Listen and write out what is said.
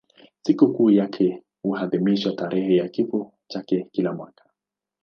Sikukuu yake huadhimishwa tarehe ya kifo chake kila mwaka.